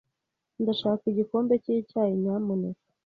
Ndashaka igikombe cyicyayi, nyamuneka.